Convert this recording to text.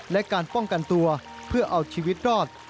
และการป้องกันตัวเพื่อเอาชีวิตรอด